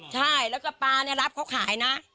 ใช่แล้วก็ปลาเนี่ยรับเขาขายนะ